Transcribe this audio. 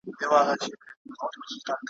نه په پښو کي یې لرل کاږه نوکونه ,